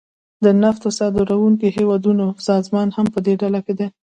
د نفتو صادرونکو هیوادونو سازمان هم پدې ډله کې راځي